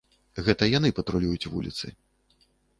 Гэта яны патрулююць вуліцы.